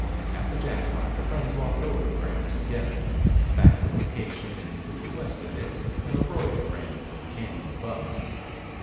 At the Jackpot the friends walked over the ground together. Back of the location and to the west of it an arroyo ran from a cañon above.